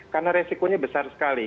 karena resikonya besar sekali